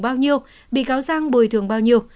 bao nhiêu bị cáo giang bồi thường bao nhiêu